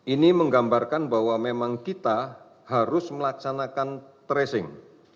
ini menggambarkan bahwa memang kita harus melaksanakan tracing